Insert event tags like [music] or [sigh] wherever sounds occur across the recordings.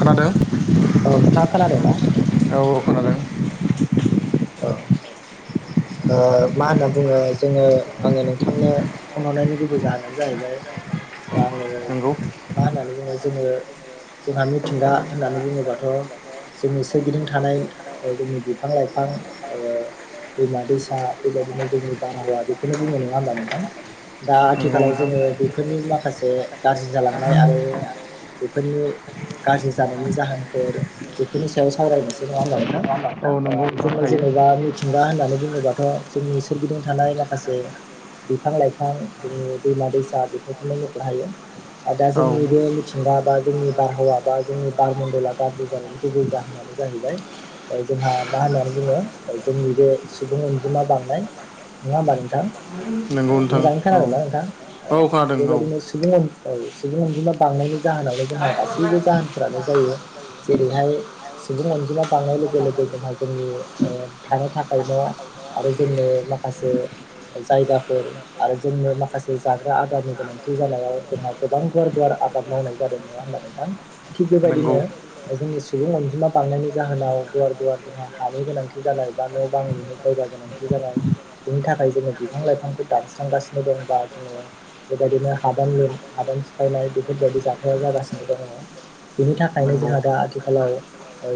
खोनादों औ नोंथाङा खोनादों ना? औ खोनादों औ। ओ मा होनना बुङो जोङो आङो नोंथांनो फन हरनायनि गुबै जाहोनानो जाहैबाय, आङो नंगौ मा होननानै बुङो जोङो जोंहा मिथिंगा होननानै बुङोबाथ' जोंनि सोरगिदिं थानाय जोंनि बिफां लाइफां ओ दैमा दैसा बेबायदिनो जोंनि बारहावा बेखौनो बुंङो नङा होमबा नोंथां। दा नंगौ आथिखालाव नोंथां जोङो बेफोरनि माखासे गाज्रि जालांनाय आरो बेफोरनि गाज्रि जानायनि जाहोनफोर बेफोरनि सायाव सावरायनोसै नङा होमबा नोंथां। औ ओ नंगौ नोंथां जोङो हायो जेन'बा मिथिंगा होननानै बुङोबा थ' जोंनि सोरगिदिं थानाय माखासे बिफां - लाइफां जोंनि दैमा- दैसा बेफोरखौनो मखनो हायो। दा औ जोंनि बे मिथिंगा बा जोंनि बारहावा बा जोंनि बारमन्दला गाज्रि जानायनि गुबै जाहोनानो जाहैबाय जोंहा मा होननानै बुङो जोंनि बे सुबुं अनजिमा बांनाय नङा होमबा नोंथां। ओ नंगौ नोंथां मोजाङै औ खोनादों ना नोंथां औ खोनादों औ बेबायदिनो सुबुं औ सुबुं अनजिमा बांनायनि जाहोनावनो जोंहा गासैबो जाहोनफोरानो जायो। जेरैहाय सुबुं अनजिमा बांनाय लोगो - लोगो जोंहा जोंनि ओ थानो थाखाय न'। आरो जोंनो माखासे जायगाफोर आरो जोंनो माखासे जाग्रा आदार। गोनांथि जानायाव जोंहा गोबां गुवार -गुवार आबाद मावनाय जादों नङा होनबा नों। थां थिग नंगौ बेबायदिनो। जोंनि सुबुं अनजिमा बांनायनि जाहोनाव गुवार- गुवार जोंहा हानि गोनांथि जानाय बा न' बां लुनो जायगा। गोनांथि जाबाय बेनि थाखाय जोङो बिफां - लाइफांखौ दानस्रांगासिनो दं बा जोङो बेबायदि। हादान हादान सिफायनाय बेफोरबायदि जाथाया जागासिनो दङ। बेनि थाखायनो नंगौ जोंहा दा आथिखालाव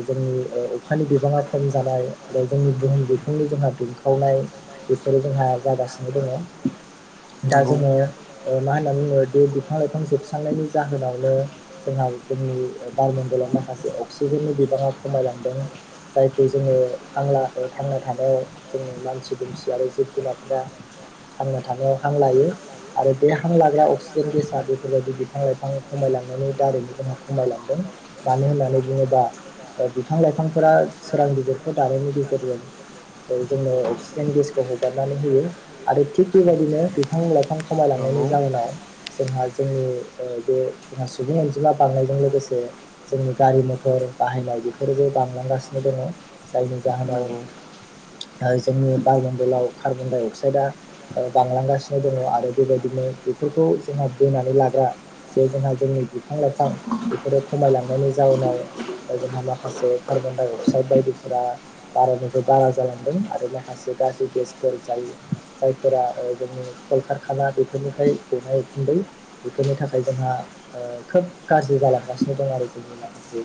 जोंनि अखानि बिबाङा खम जानाय आरो जोंनि। जोंनि बुहुम बिखनि जोंहा दुंखावनाय बेफोरो जोंहा जागासिनो दङ। दा नंगौ जोङो मा होनना बुङो बे बिफां - लाइफां जोबस्रांनायनि जाहोनावनो। जोंहा जोंनि बारमण्डलाव माखासे अक्सिजेननि बिबाङा खमायलांदों। जायखौ जोङो हांला थांना थानायाव जोंनि मानसि दुमसि आरो जिब जुनारफ्रा। थांना थानायाव हां लायो। आरो बे हां लाग्रा अक्सिजेन गेसआ बेफोरबायदि बिफां - लाइफां खमायलांनायनि। दारैनो जोंहा खमायलांदों मानो होननानै बुङोबा। ओ बिफां- लाइफांफोरा सोरां बिजदिरखौ दानायनि गेजेरजों। जोंनो अक्सिजेन गेसखौ हगारनानै होयो आरो थिग बेबायदिनो बिफां - लाइफां खमायलां। लांनायनि नंगौ जाउनाव जोंहा जोंनि ओ बे जोंहा। सुबुं अनजिमा बांनायजों लोगोसे जोंनि गारि -मथर बाहायनाय बेफोरबो बांलांगासिनो दङ। जायनि जाहोनाव नंगौ जोंनि बार मण्डलाव कार्बन डाइ अक्साइडआ। ओ बांलांगासिनो दङ आरो बेबायदिनो बेफोरखौ जोंहा बोनानै लाग्रा जे जोंहा जोंनि। बिफां - लाइफां बेफोरो खमायलांनायनि जाउनाव। ओ जोंहा माखासे कार्बन डाइ अक्साइद बायदिफोरा बारानिफ्राय बारा जालांदों आरो माखासे। गाज्रि गेसफोर जायो जायफोरा जोंनि कलकारखाना बेफोरनिफ्राय दुंहाव उखुन्दै। बेफोरनि थाखाय जोंहा। ओ खोब गाज्रि जालांगासिनो दं आरो जोंनि माखासे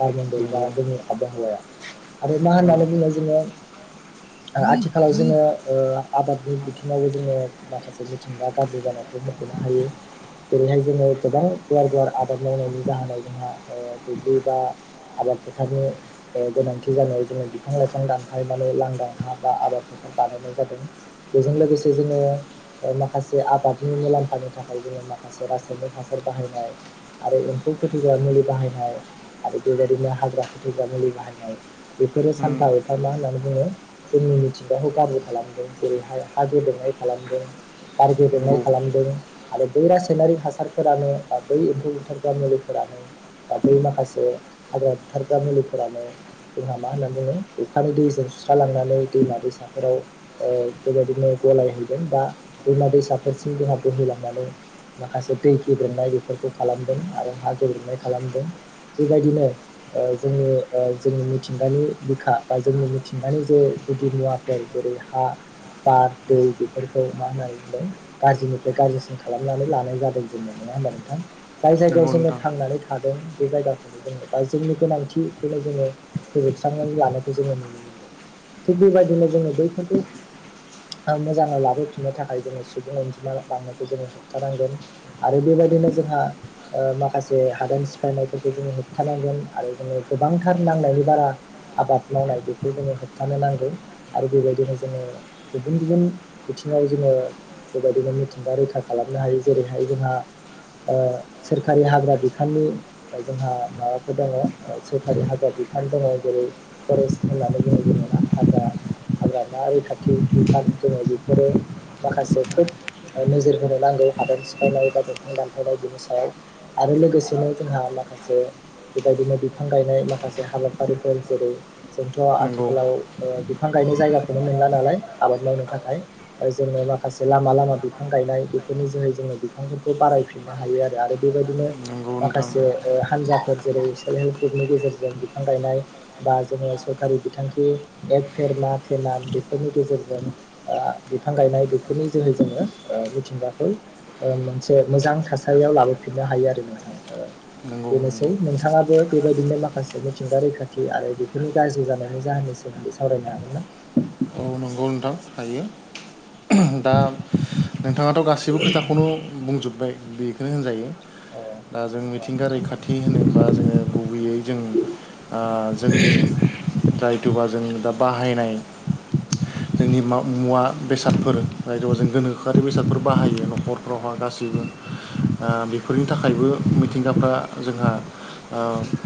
बार मडल बा नंगौ जोंनि आबहावाया। आरो मा औ होननानै बुङो जोङो। ओ आथिखालाव जोङो ओ आबादनि बिथिङावबो जोङो माखासे मिथिंगा गाज्रि जानाय। खौ मख'नो हायो जेरैहाय जोङो गोबां। गुवार - गुवार आबाद मावनायनि जाहोनाव जोंहा ओ दुब्लि बा। आबाद फोथारनि ओ गोनांथि जानायाव जोङो बिफां- लाइफां दानफायनानै लांदां हा बा आबाद फोथार। बानायनाय जादों बेजों लोगोसे जोङो ओ माखासे आबादनि मुलाम्फानि थाखाय जोङो। माखासे रासायनिक हासार बाहायनाय। आरो एम्फौ फोथैग्रा मुलि बाहायनाय आरो बेबायदिनो हाग्रा फोथैग्रा मुलि बाहायनाय। बेफोरो उम सानफा एफा मा होननानै। बुङो जोंनि मिथिंगाखौ गाज्रि खालामदों जेरैहाय हा गेदेनाय खालामदों। बार नंगौ गेबेंनाय खालामदों आरो बै रासायनारिक हासारफोरानो। बा बै एम्फौ बुथारग्रा मुलिफोरानो बा बै माखासे हाग्रा बुथारग्रा मुलिफोरानो। जोंहा मा होनना बुङो अखानि दैजों सुस्रा लांनानै दैमा दैसाफोराव ओ बेबायदिनो। गलायहैदों बा दैमा दैसाफोरसिम जोंहा बोहैलांनानै माखासे दै गेब्रेंननाय बे। फोरखौ खालामदों आरो हा गेब्रेंनाय खालामदों। बेबायदिनो ओ जोंनि- जोंनि मिथिंगानि बिखा बा जोंनि मिथिंगानि जे। गुदि- मुवाफोर जेरै हा। बार दै बेफोरखौ मा होननानै बुंदों गाज्रिनिफ्राय गाज्रिसिन खालामनानै लानाय जादों जोङो नङा होनबा नों। ‌ थां जाय नंगौ जायगायाव जोङो नोंथां थांनानै थादों। बे जायगाखौनो जोङो बा जोंनि गोनांथिखौनो जोङो फोजोबस्रांनानै लानायखौ जोङो नुनो मोनदों। थिग बेबायदिनो जोङो बैफोरखौ। आ मोजाङाव लाबोफिननो थाखाय जोङो सुबुं अनजिमा बांनायखौ जोङो होबथानांगोन आरो बेबायदिनो। जों ओ माखासे हादान सिफायनायफोरखौ जोङो होबथानांगोन आरो जोङो गोबांथार नां बिबारा आबाद मावनाय बेखौ जोङो होबथानो नांगौ आरो बेबायदिनो जोङो गुबुन गुबुन बिथि। बिथिङाव जोङो बेबायदिनो मिथिंगा रैखा खालामनो हायो जेरैहाय जोंहा। सोरखारि हाग्रा बिफाननि जोंहा माबाफोर दङ सोरखारि हाग्रा बिफ। दङ जेरै फरेस्ट होननानै बुङो जोङ ना हाजार। हाग्रामा रैखाथि बिफान जोङो बेफोरो माखासे खोब। नोजोर होनो नांगौ हादान सिफायनाय एबा दंफां दाल। थफायनाय बेनि सायाव आरो लोगोसेनो जोंहा माखासे बेबायदिनो बिफां गायनाय माखासे हाबाफारिफोर जेरै जोंथ' नंगौ आथिखालाव बिफां गायनो जायगाखौनो मोनला नालाय आबाद मावनो थाखाय जोङो माखासे लामा लामा बिफां गायनाय बेफोरनि जोहै जोङो बिफांफोरखौ बारायफिननो हायो आरो आरो बेबायदिनो नंगौ नोंथां माखासे हान्जाफोर जेरै सेल्फ हेल्प ग्रुपनि गेजेरजों बिफां गायनाय बा जोङो सर बिथांखि एक फेरमा केाम बेफोरनि गेजेरजों बिफां गायनाय बेफोरनि ज मिथिंगाखौ मोनसे मोजां थासारियाव लाबोफिननो हायो आरो नोंथां नंगौ नंगौ बेनोसै नोंथाङाबो बेबायदिनो माखासे मिथिंगा रैखाथि आरो बेफोरनि गाज्रि जानायनि जाहोननि सोमोन्दै सावरायनो हागोन ना [unintelligible] औ नंगौ नोंथां हायो दा नोंथाङाथ' गासैबो खोथाखौनो बुंजोब्बाय बेखौनो होनजायो औ दा जों औ मिथिंगा नोंथां रैखाथि होनोबोबा जोङो गुबैयै जों जोंनि जायथुबा जों दा बाहायनाय [inaudible] जोंनि मुवा बेसादफोर रायजो जों गोनोखोआरि बेसादफोर बाहायो न'खरफ्रावहा गासैबो बेफोरनि थाखायबो मिथिंगाफ्रा जोंहा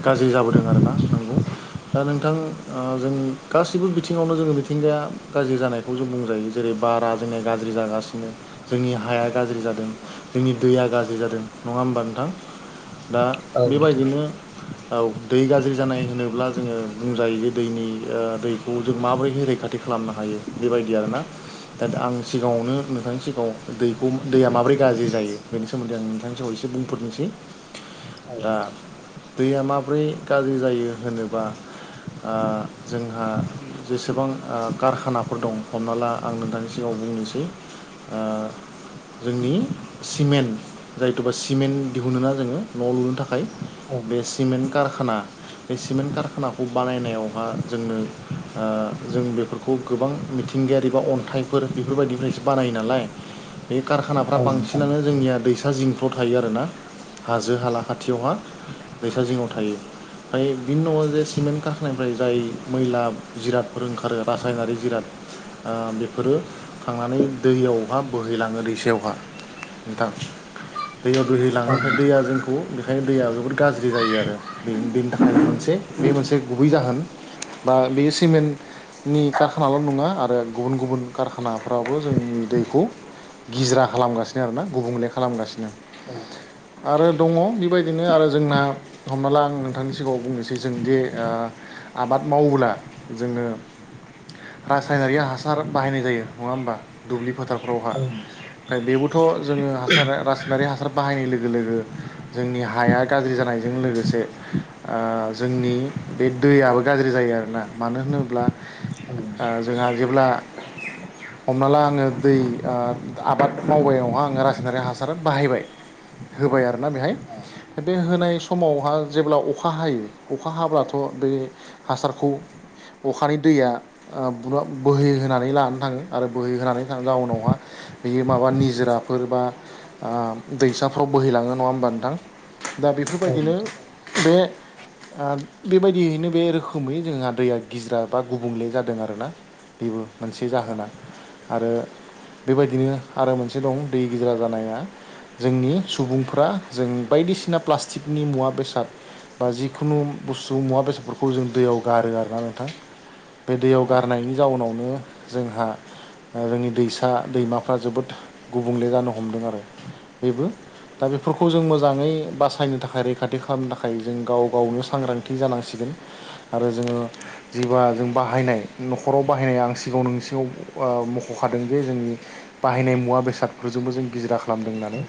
गाज्रि जाबोदों आरोना नंगौ दा नोंथां जोंनि गासिबो बिथिङाव जोङो मिथिंगाया गाज्रि जानायखौ जों बुंजायो जेरै बारा जोंना गाज्रि जागासिनो जोंनि हाया गाज्रि जादों जोंनि दैया गाज्रि जादों नङा होमबा नोंथां दा औ नोंथां बेबायदिनो दै गाज्रि जानाय होनोब्ला जोङो बुंजायो जे दैनि दैखौ जों माबोरैह रैखाथि खालामनो हायो बेबायदि आरोना दा आं सिगाङावनो नोंथांनि सिगाङाव दैखौ दैया माबोरै गाज्रि जायो बेनि सोमोन्दै आं नोंथांनि सहै एसे बुंफोरनोसै हागोन दा नोंथां दैया माब्रै गाज्रि जायो होनोब्ला ओ जोंहा जेसेबां कारखानाफोर दं हमना ला आं नोंथांनि सिगाङाव बुंनोसै जोंनि सिमेन्ट जायथुबा सिमेन्ट दिहुन ना जोङो न' लुनो थाखाय औ बे सिमेन्ट कार कारखाना बे सिमेन्ट कारखानाखौ बानायनायावहा जोंनो जों बेफोरखौ गोबां मिथिंगायारि बा अन्थाइफोर बेफोरबायदिफ्रायसो बानायो नालाय बे कारखानाफ्रा नोंथां बांसिनानो जोंनिया दैसा जिं थ' थायो आर ना हाजो हाला खाथियावहा दैैसा जिङाव थायो ओमफ्राय बिनि नङाव जे सिमेन्ट गाखानिफ्राय जाय मैला जिराद रोंंखारो रासायनारि जिराद! ओह बेफोरो खांनानै दैयावहा बोहैलाङो दैसायावहा नोंथां दैयाव दोहै औ लाङो ओमफाय नोंथां दैया जोंखौ बेखायनो दैया जोबोद गाज्रि जायो आरो बे बेनि थाखायनो मोनसे बे मोनसे गुबै जाहोन बा बे सेमेनट नि कारखानाल' नङा आरो गुबुन गुबुन कारखानाफ्राबो जोंनि दैखौ गिजरा खालामगासिनो आरोना गुबुंले खालामगासिनो आरो दङ बेबायदिनो आरो जोंना होमबोला आं नोंथांनि सिगाङाव बुंनोसै जों दि आ आबाद मावोबोला जोनो रासायनारि हासार बाहायनाय जायो नङा होमबा दुब्लि फोथारफ्रावहा औ नोंथां बेबोथ' जोङो हासार रासायनारि हा सार बाहायनाय लोगो लोगो जोंनि हाया गाज्रि जानायजों लोगोसे ओह जोंनि बे दैयाबो गाज्रि जायो आरोना मानो होनोब्ला औ आह जोंहा जेब्ला हमना ला आङो दै ओ आबाद मावबाय आव आङो रासायनारि हासार बाहायबाय होबाय आरोना बेहाय औ बे होनाय समावहा जेब्ला अखा हायो अखा हाब्लाथ' दैह हासारखौ अखानि दैया आ बु बोहोय होनानै लानो थाङो आरो बोहै होनानै थाङो जाउनावहा बियो माबा बा निजोराफोर बा आ दैसाफ्राव बोहैलाङो नङा होमबा नोंथां दा नोंथां औ बेफोरबायदिनो नोंथां बे आह बेबायदियैनो बे रोखोमै जोंहा दैया गिजरा बा गुबुंले जादों आरोना बेबो मोनसे जाहोना आरो बेबायदिनो आरो मोनसे दं दै गिजिरा जानाया जोंनि सुबुंफ्रा जों बायदिसिना प्लास्टिकनि मुवा बेसाद बा जिखुनु बुस्थु मुवा बेसादफोरखौ जों दैयाव गारो आरोना नोंथां बे दैयाव औ नोंथां औ गारनायनि जाउनावनो जोंहा ओ जोंनि दैसा दैमाफ्रा जोबोद गुबुंले जानो हमदों आरो बेबो दा बेफोरखौ जों मोजाङै बासायनो थाखाय रैखाथि खालामनो थाखाय जों गाव गावनो सांग्रांथि जानांसिगोन आरो जोङो जिबा जों बाहायनाय न'खराव बायनाय आं सिगाङाव नोंनि सिागांआव आ मख'खादों बे जोंनि बायनाय मुवा बेसादफोरजोंबो जों गिजरा खालामदों होननानै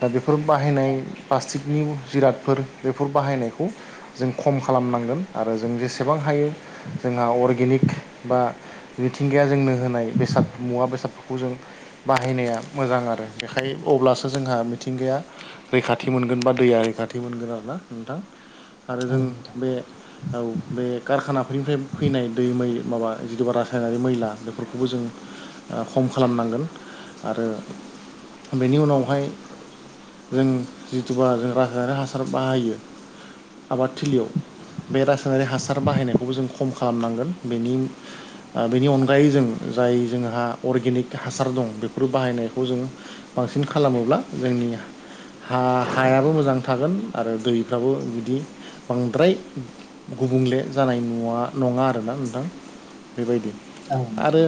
दा बे फोर बाहायनाय औ प्लासटिकनि जिरादफोर बेफोर बाहायनायखौ जों खम खालामनांगोन आरो जों जेसेबां हायो जोंहा अरगेनिक बा मिथिंगाया जोंनो होनाय बेसाद मुवा बेसादफोरखौ जों बाहायनाया मोजां आरो बेखाय अब्लासो जोंहा मिथिंगाया रैखाथि मोनगोन बा दैया रैखाथि मोनगोन आरोना नोंथां आरो जों नोंथां बे औ बे कारखानाफोरनिफ्राय फैनाय दै मै माबा जिदुबा रासायनारि मैला बेफोरखौबो जों ओह खम खालामनांगोन आरो बेनि उनावहाय जों जिथुबा जों रासायनारि हासार बाहायो आबादथिलिआव बे रासायनारि हासार बाहायनायखौबो जों खम खालामनांगोन बेनि आ बेनि अनगायै जों जाय जोंहा अरगेनिक हासार दं बेफोर बाहायनायखौ जों बांसिन खालामोब्ला जोंनिया हा हायाबो मोजां थागोन आरो दैफ्राबो बिदि बांद्राय गुबुंले जानाय नुआ नंआ आरोना नोंथां बेबायदि औ आरो नोंथां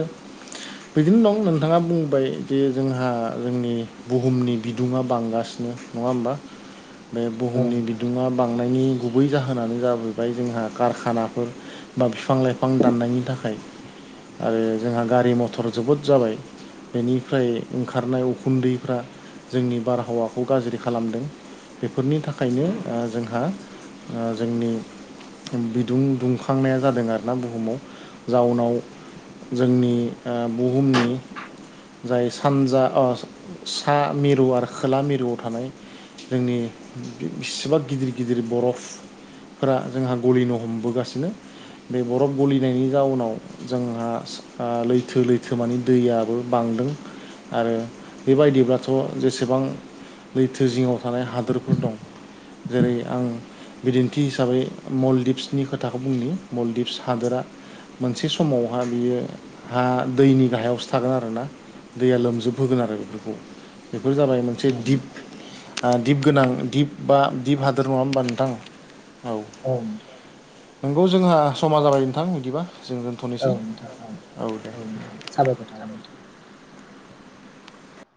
बिदिनो दं नोंथाङा बुंबाय दि जोंहा जोंनि बुहुमनि बिदुङा बांगासिनो नङा होमबा बे औ बुहुमनि नोंथां बिदुङा थारैनो बांनायनि गुबै जाहोनानो जाबोबाय जोंहा कारखानाफोर बा बिफां लाइफां दाननायनि थाखाय आरो जोंहा गारि मथर जोबोद जाबाय बेनिफ्राय ओंखारनाय उखुन्दैफ्रा जोंनि बारहावाखौ गाज्रि खालामदों। बेफोरनि थाखायनो आ जोंहा आ जोंनि बिदुं दुंखां। थांनाया जादों आरोना बुहुमाव जाउनाव। जोंनि आ बुहुमनि। जाय सानजा अ सा मिरु आरो खोला मिरुआव थानाय। जोंनि बि बिसिबा गिदिर गिदिर बरफ। फोरा जोंहा गलिनो हमबोगासिनो बे बरफ गलिनायनि जाउनाव जोंहा लैथो लैथोमानि दैयाबो बांदों आरो बेबायदिब्लाथ जेसेबां लैथो जिङाव थानाय हादरफोर दं जेरै आं बिदिन्थि हिसाबै मलदिप्सनि खोथाखौ बुंनि मलदिप्स हादोरा मोनसे समावहा बियो हा दैनि गाहायावसो थागोन आरोना दैया लोमजोबबोगोन आरो बेफोरखौ बेफोर जाबाय मोनसे औ दिप नोंथां दिप गोनां दिप बा दिप हादर नङा होमबा नोंथां औ नोंगौ जोंहा समा जाबाय नोंथां बिदिबा जों दोनथनोसै औ नोंथां औ दे नोंथां साबायखर थाबाय नोंथां